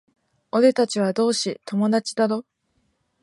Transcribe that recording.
俺たちは同志、友達だろ？